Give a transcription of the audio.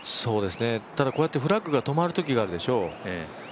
ただ、こうやってフラッグが止まるときがあるでしょう。